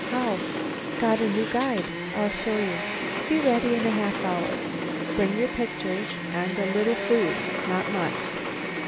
"How?" "Got a new guide. I'll show you. Be ready in a half hour. Bring your pictures and a little food. Not much.